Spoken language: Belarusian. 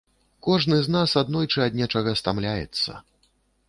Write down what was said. Кожны з нас аднойчы ад нечага стамляецца.